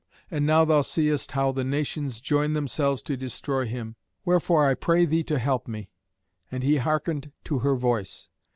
And now thou seest how the nations join themselves to destroy him. Wherefore I pray thee to help me." And he hearkened to her voice.